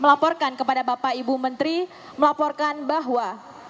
melaporkan kepada bapak ibu menteri melaporkan bahwa